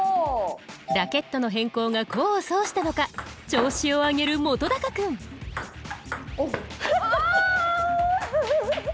ラケットの変更が功を奏したのか調子を上げる本君ああ！